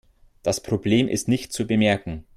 Das Problem ist nicht zu bemerken.